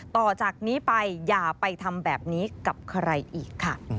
ต่อจากนี้ไปอย่าไปทำแบบนี้กับใครอีกค่ะ